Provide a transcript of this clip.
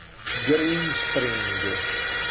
Green Spring